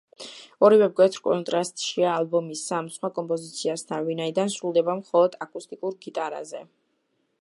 ორივე მკვეთრ კონტრასტშია ალბომის სამ სხვა კომპოზიციასთან, ვინაიდან სრულდება მხოლოდ აკუსტიკურ გიტარაზე.